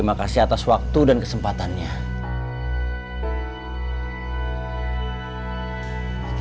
aku akan menganggap